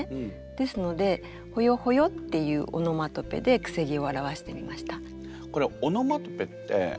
ですので「ほよほよ」っていうオノマトペでくせ毛を表してみました。